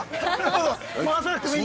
◆回さなくてもいいから。